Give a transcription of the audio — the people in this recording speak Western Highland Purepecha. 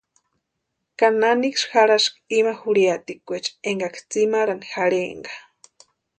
¿Ka naniksï jarhaski ima jurhiakweecha énkaksï tsimarhani jarhaenka?